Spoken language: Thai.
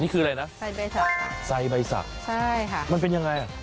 นี่คืออะไรนะไซไบสักใช่ค่ะมันเป็นยังไง